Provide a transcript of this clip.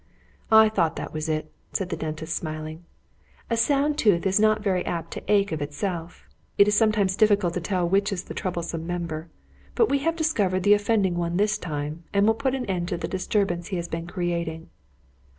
"I thought that was it," said the dentist, smiling. "A sound tooth is not very apt to ache of itself. It is sometimes difficult to tell which is the troublesome member. But we have discovered the offending one this time, and will put an end to the disturbance he has been creating."